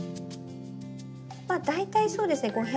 まあ大体そうですね